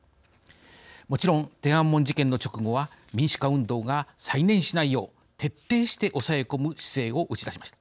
もちろん天安門事件の直後は民主化運動が再燃しないよう徹底して抑え込む姿勢を打ち出しました。